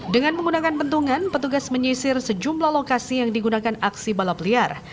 dengan menggunakan pentungan petugas menyisir sejumlah lokasi yang digunakan aksi balap liar